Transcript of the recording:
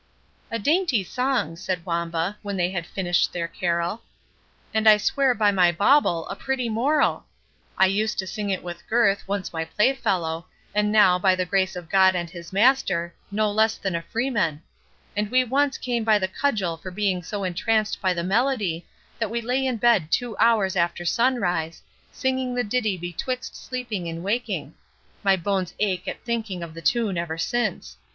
"A dainty song," said Wamba, when they had finished their carol, "and I swear by my bauble, a pretty moral!—I used to sing it with Gurth, once my playfellow, and now, by the grace of God and his master, no less than a freemen; and we once came by the cudgel for being so entranced by the melody, that we lay in bed two hours after sunrise, singing the ditty betwixt sleeping and waking—my bones ache at thinking of the tune ever since.